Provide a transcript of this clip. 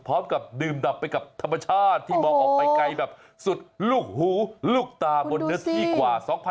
พร้อมกับดื่มดับไปกับธรรมชาติที่มองออกไปไกลแบบสุดลูกหูลูกตาบนเนื้อที่กว่า